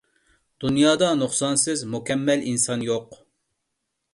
دۇنيادا نۇقسانسىز، مۇكەممەل ئىنسان يوق.